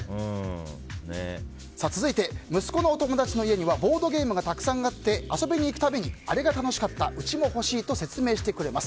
続いて、息子のお友達の家にはボードゲームがたくさんあって遊びに行くたびにあれが楽しかったうちも欲しいと説明してくれます。